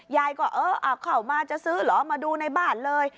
ยายก็เออเอาเข้ามาจะซื้อเหรอมาดูในบ้านเลย